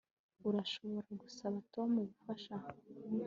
Urashobora gusaba Tom ubufasha